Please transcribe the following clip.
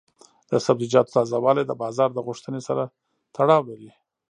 د سبزیجاتو تازه والي د بازار د غوښتنې سره تړاو لري.